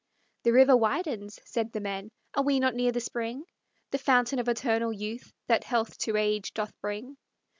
"The river widens," said the men; "Are we not near the spring, The fountain of eternal youth that health to age doth bring?"